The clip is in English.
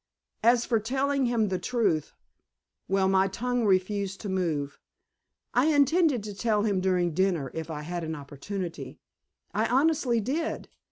As for telling him the truth well, my tongue refused to move. I intended to tell him during dinner if I had an opportunity; I honestly did.